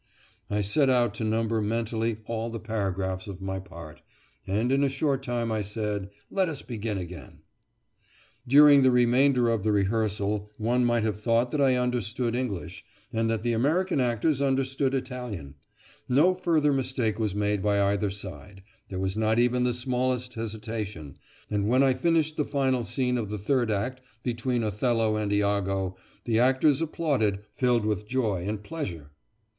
I set out to number mentally all the paragraphs of my part, and in a short time I said. "Let us begin again." During the remainder of the rehearsal one might have thought that I understood English, and that the American actors understood Italian, No further mistake was made by either side; there was not even the smallest hesitation, and when I finished the final scene of the third act between Othello and Iago, the actors applauded, filled with joy and pleasure.